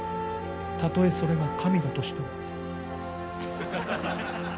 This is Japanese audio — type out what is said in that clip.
たとえそれが神だとしても。